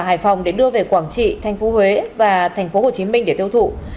hải phòng để đưa về quảng trị thành phố huế và thành phố hồ chí minh để tiêu thụ